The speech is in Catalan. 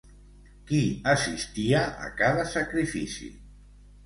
Qui assistia a cada sacrifici?